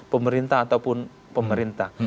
pemerintah ataupun pemerintah